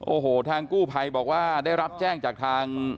โอ้โหทางกู้ภัยบอกว่าได้รับแจ้งจากทาง